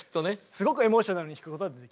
すごくエモーショナルに弾くことだってできるし。